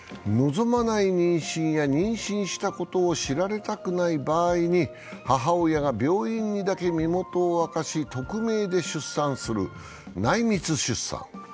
臨まない妊娠や妊娠したことを知られたくない場合に母親が病院にだけ身元を明かし匿名で出産する内密出産。